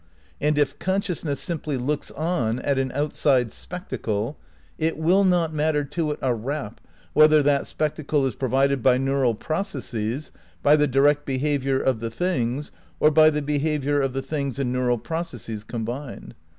And if consciousness simply looks on at an outside spec tacle, it will not matter to it a rap whether that spec tacle is provided by neural processes, by the direct behaviour of the things, or by the behaviour of the things and neural processes combined.